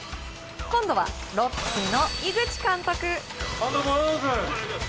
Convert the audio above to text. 今度はロッテの井口監督。